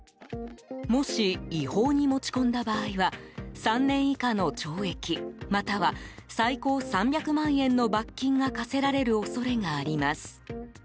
もし違法に持ち込んだ場合は３年以下の懲役または最高３００万円の罰金が科せられる恐れがあります。